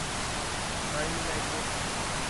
"Daj mi najdłuższy."